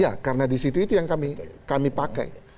iya karena di situ itu yang kami pakai